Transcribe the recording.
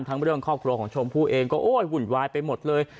เรื่องครอบครัวของชมพู่เองก็โอ้ยหุ่นวายไปหมดเลย